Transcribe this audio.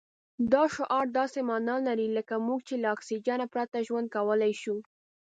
دا شعار داسې مانا لري لکه موږ چې له اکسجن پرته ژوند کولای شو.